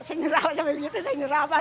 saya nyerah saya nyerah pak